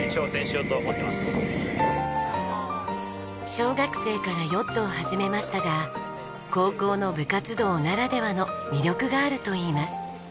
小学生からヨットを始めましたが高校の部活動ならではの魅力があるといいます。